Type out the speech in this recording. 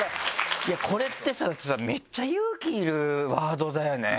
これってさめっちゃ勇気いるワードだよね。